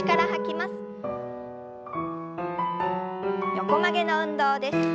横曲げの運動です。